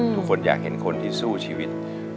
ทุกคนอยากเห็นคนที่สู้ชีวิต